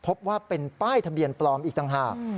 พบว่าเป็นป้ายทะเบียนปลอมอีกต่างหาก